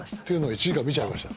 １時間見ちゃいました。